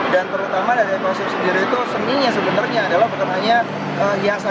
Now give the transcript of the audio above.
dan terutama dari ekosistem sendiri itu seninya sebenarnya adalah pertengahannya hiasan